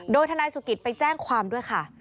โดยทนายสุกิตไปแจ้งความด้วยค่ะ